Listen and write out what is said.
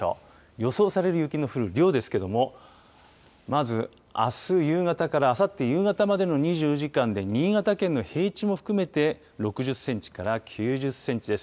予想される雪の降る量ですけれども、まず、あす夕方からあさって夕方までの２４時間で、新潟県の平地も含めて、６０センチから９０センチです。